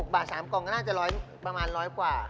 บาท๓กล่องก็น่าจะประมาณ๑๐๐กว่า